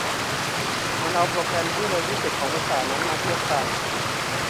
มันเอาโปรแกรมที่เร็วสุดของภาษานั้นมาเทียบกัน